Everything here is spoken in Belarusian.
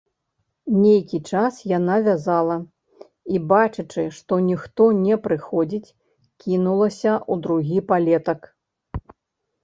Нейкі час яна вязала і, бачачы, што ніхто не прыходзіць, кінулася ў другі палетак.